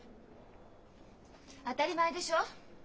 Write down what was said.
当たり前でしょ。